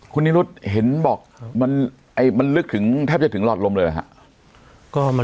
คุณนิรุธเห็นบอกมันลึกถึงแทบจะถึงหลอดลมเลยหรือครับ